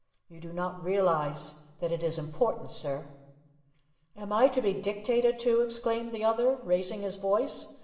You do not realize that it is important, sir." "Am I to be dictated to?" exclaimed the other, raising his voice.